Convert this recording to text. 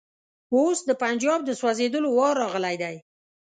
اوس د پنجاب د سوځېدلو وار راغلی دی.